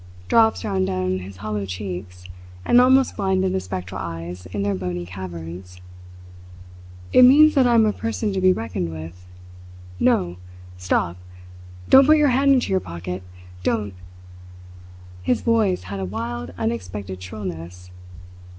Drops ran down his hollow cheeks and almost blinded the spectral eyes in their bony caverns. "It means that I am a person to be reckoned with. No stop! Don't put your hand into your pocket don't." His voice had a wild, unexpected shrillness.